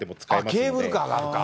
ケーブルカーがあるか。